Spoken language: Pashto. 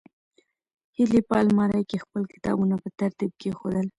هیلې په المارۍ کې خپل کتابونه په ترتیب کېښودل.